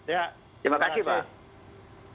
ya terima kasih pak